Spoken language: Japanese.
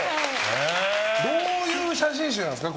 どういう写真集なんですか？